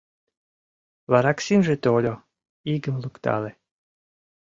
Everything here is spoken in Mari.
Вараксимже тольо — игым луктале.